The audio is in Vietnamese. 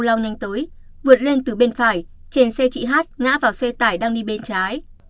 lao nhanh tới vượt lên từ bên phải trên xe chị hát ngã vào xe tải đang đi bên trái